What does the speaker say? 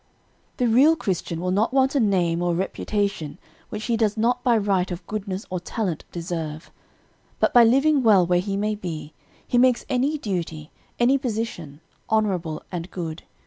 "The real Christian will not want a name or a reputation which he does not by right of goodness or talent deserve; but by living well where he may be, he makes any duty, any position, honorable and good.